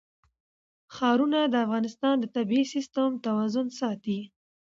ښارونه د افغانستان د طبعي سیسټم توازن ساتي.